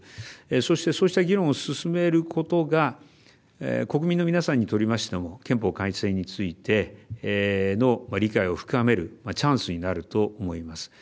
そしてそうした議論を進めることが国民の皆さんにとりましても憲法改正についての理解を深めるチャンスになると思います。